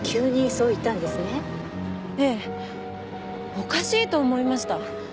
おかしいと思いました。